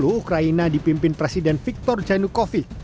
sejak dua ribu sepuluh ukraina dipimpin presiden viktor tchernukovic